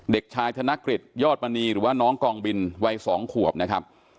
เด็กชายธนกฤษยอดมณีหรือว่าน้องกองบินวัย๒ขวบนะครับ